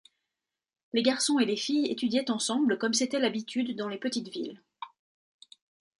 Les garçons et les filles étudiaient ensemble comme c'était l'habitude dans les petites villes.